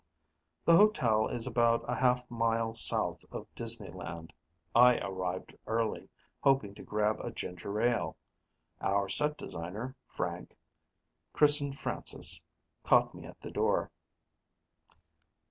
The Hotel is about a half mile south of Disneyland. I arrived early, hoping to grab a ginger ale. Our set designer, Frank christened Francis caught me at the door.